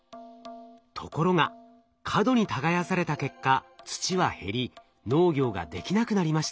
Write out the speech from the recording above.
ところが過度に耕された結果土は減り農業ができなくなりました。